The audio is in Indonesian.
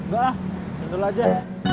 enggak satu aja